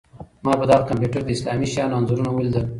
ما په دغه کمپیوټر کي د اسلامي اهمېشهانو انځورونه ولیدل.